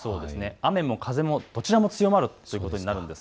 雨も風もどちらも強まるということになります。